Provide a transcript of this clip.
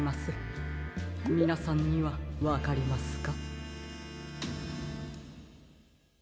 みなさんにはわかりますか？